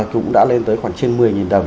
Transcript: cũng đã lên tới khoảng trên một mươi đồng